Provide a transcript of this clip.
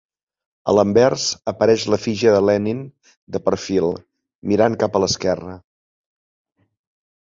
A l'anvers apareix l'efígie de Lenin de perfil, mirant cap a l'esquerra.